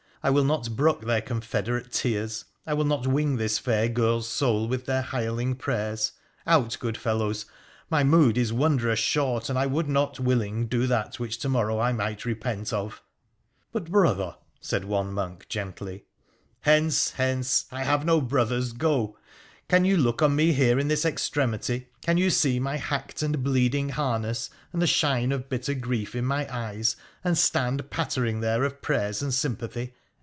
I will not brook their confederate tears — I will not wing this fair girl's soul with their hireling prayers — out, good fellows, my mood is wondrous short, and I would not willing do that which to morrow I might repent of.' ' But, brother ' said one monk, gently. PIIKA THE rilCEXIClAN 217 ' Hence — hence ! I have no brothers — go ! Can you look on me here in this extremity, can you see my hacked and bleeding harness, and the shine of bitter grief in my eyes, and stand pattering there of prayers and sympathy